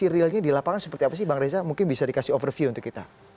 dan kondisi realnya di lapangan seperti apa sih bang reza mungkin bisa dikasih overview untuk kita